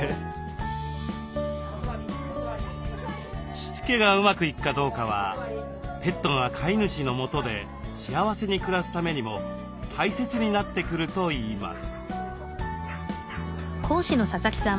しつけがうまくいくかどうかはペットが飼い主のもとで幸せに暮らすためにも大切になってくるといいます。